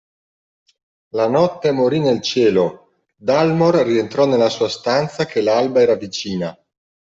La notte morì nel cielo, Dalmor rientrò nella sua stanza che l’alba era vicina.